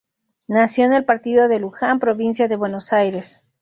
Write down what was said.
Nació en el partido de Luján, provincia de Buenos Aires.